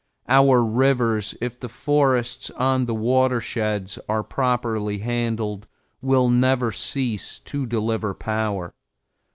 Our rivers, if the forests on the watersheds are properly handled, will never cease to deliver power.